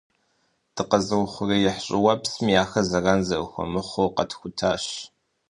Дыкъэзыухъуреихь щIыуэпсми ахэр зэран зэрыхуэмыхъур къэтхутащ